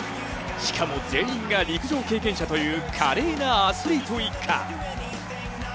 しかも全員が陸上経験者という華麗なアスリート一家。